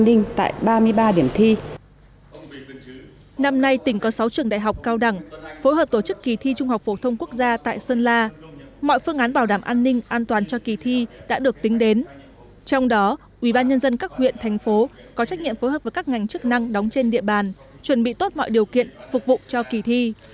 đặc biệt tại sơn la công tác bảo đảm an ninh trật tự kỳ thi trung học phổ thông quốc gia năm hai nghìn một mươi chín được lực lượng công an và các ban ngành chức năng tỉnh sơn la kiểm tra liên tục và thường xuyên